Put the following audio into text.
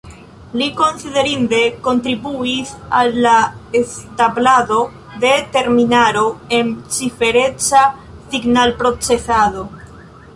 Li konsiderinde kontribuis al la establado de terminaro en cifereca signalprocesado.